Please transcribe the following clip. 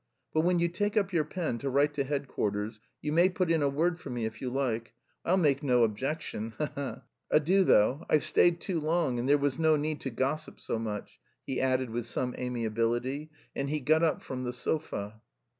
But when you take up your pen to write to headquarters, you may put in a word for me, if you like.... I'll make no objection, he he! Adieu, though; I've stayed too long and there was no need to gossip so much!" he added with some amiability, and he got up from the sofa.